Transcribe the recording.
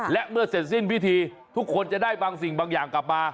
และเมื่อเสร็จสิ้นพิธีทุกคนจะได้บางสิ่งบางอย่างกลับมา